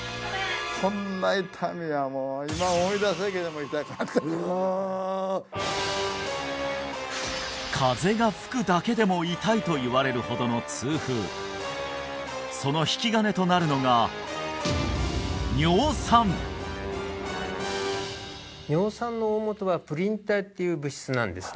こんな痛みはもううわ風が吹くだけでも痛いといわれるほどの痛風その引き金となるのがっていう物質なんですね